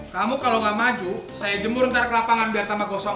kamu kalau nggak maju saya jemur ntar ke lapangan biar tambah gosong